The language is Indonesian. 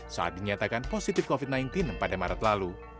saat dinyatakan positif covid sembilan belas pada maret lalu